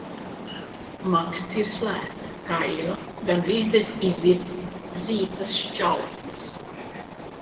Maksts ir slēgta, kaila, gandrīz bez izvirzītas šķautnes.